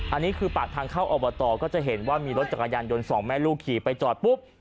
อันนี้คือปากทางเข้าอบตก็จะเห็นว่ามีรถจักรยานยนต์สองแม่ลูกขี่ไปจอดปุ๊บ